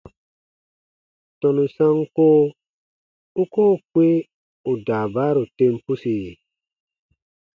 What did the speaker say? Tɔnu sanko u koo kpĩ ù daabaaru tem pusi?